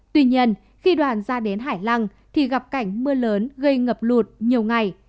tuy nhiên khi đoàn ra đến hải lăng thì gặp cảnh mưa lớn gây ngập lụt nhiều ngày